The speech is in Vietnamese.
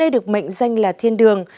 định danh là thiên đường